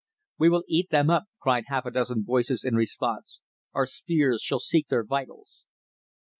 "We will eat them up," cried half a dozen voices in response. "Our spears shall seek their vitals."